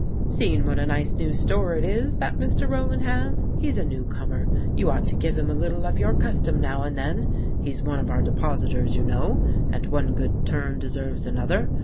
" Seen what a nice new store it is, that Mr. Rowland has? He 's a new comer. You ought to give him a little of your custom now and then ; he 's one of our depositors, you know, and one good turn deserves another